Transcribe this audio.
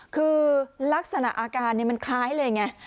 คือลักษณะอาการมันคล้ายเลยไง